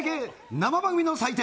生番組の祭典。